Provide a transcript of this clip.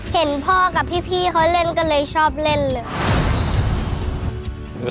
เห็นพ่อกับพี่เขาเล่นก็เลยชอบเล่นเลยค่ะ